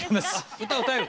歌歌える？